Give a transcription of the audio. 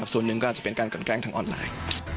ส่วนหนึ่งก็อาจจะเป็นการกันแกล้งทางออนไลน์